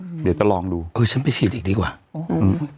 เดี๋ยวจะลองดูเออฉันไปฉีดอีกดีกว่าอืม